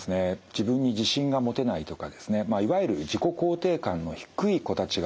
自分に自信が持てないとかですねいわゆる自己肯定感の低い子たちが多いですね。